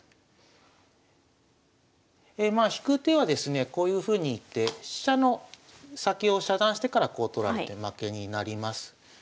まあ引く手はですねこういうふうに行って飛車の先を遮断してからこう取られて負けになります。